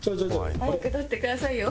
早く撮ってくださいよ。